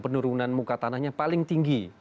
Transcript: penurunan muka tanahnya paling tinggi